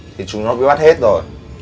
thì chúng nó bị bắt hết rồi